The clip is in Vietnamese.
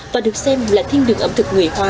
và được xem là thiên đường ẩm thực người hoa